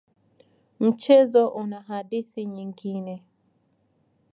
Mchezo una hadithi nyingine.